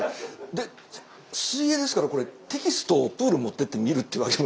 で水泳ですからテキストをプール持ってって見るってわけにも。